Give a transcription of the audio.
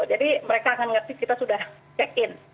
jadi mereka akan ngerti kita sudah check in